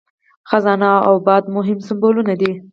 خزانه او باد مهم سمبولونه دي.